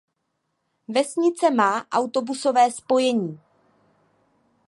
Vesnice má autobusové spojení.